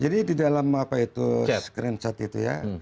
jadi di dalam apa itu screenshot itu ya